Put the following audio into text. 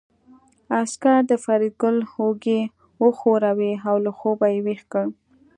عسکر د فریدګل اوږې وښورولې او له خوبه یې ويښ کړ